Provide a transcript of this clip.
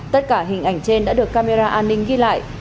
tất cả hình ảnh trên đã được camera an ninh ghi lại